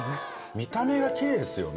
見た目がキレイですよね